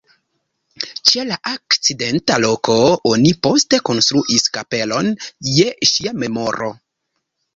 Ĉe la akcidenta loko oni poste konstruis kapelon je ŝia memoro.